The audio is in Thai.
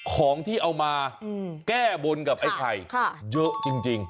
ของที่เอามาแก้บนกับไอ้ไข่เยอะจริง